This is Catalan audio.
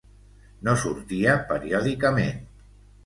No sortia periòdicament.